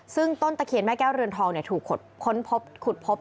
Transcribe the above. ซึ่งต้นตะเคียนแม่แก้วเรือนทองถูกค้นพบขุดพบ